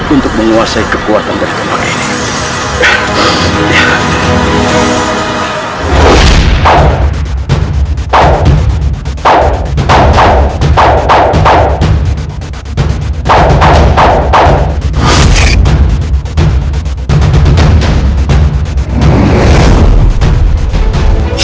untuk menguasai kekuatan dari tempat ini